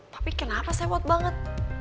tapi kenapa sewot banget